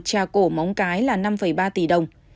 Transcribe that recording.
đền thánh mẫu ở trà cổ móng cái là năm ba tỷ đồng